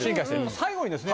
最後にですね